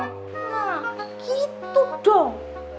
nah gitu dong